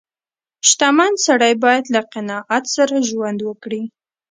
• شتمن سړی باید له قناعت سره ژوند وکړي.